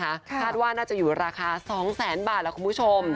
คาดว่าน่าจะอยู่ราคา๒๐๐๐๐๐บาทแมตรคุณผู้ชม